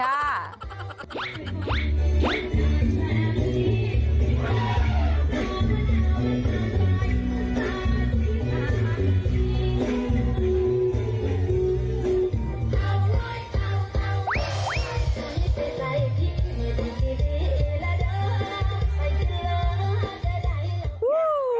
แซ่บกับไว้ได้หรือไม่